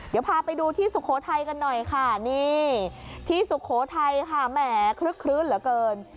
เดี๋ยวพาไปดูที่สุโขทัยกันหน่อยค่ะนี่ที่สุโขทัยค่ะแหมคลึกคลื้นเหลือเกิน